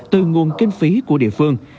từ nguồn kinh phí của địa phương